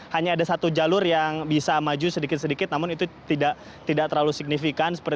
hanya ada satu jalur yang bisa maju sedikit sedikit namun itu tidak terlalu signifikan